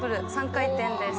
３回転です。